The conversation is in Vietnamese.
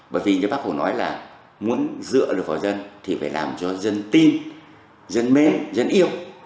bởi vì như bác hồ nói là muốn dựa được vào dân thì phải làm cho dân tin dân mến dân yêu